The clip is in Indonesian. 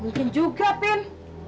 mungkin juga pin